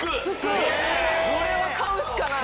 これは買うしかない。